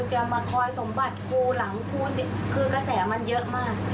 จะมาคอยสมบัติครูหลังครูสิคือกระแสมันเยอะมาก